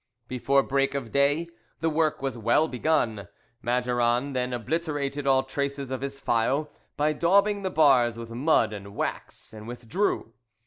Before break of day the work was well begun. Maduron then obliterated all traces of his file by daubing the bars with mud and wax, and withdrew.